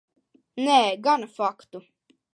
Nē, gana faktu.